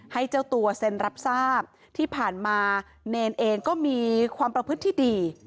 ให้เจ้าตัวเซ็นรับทราบที่ผ่านมาเนรเองก็มีความประพฤติที่ดี